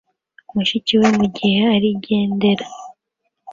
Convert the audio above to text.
mushiki we mugihe arigendera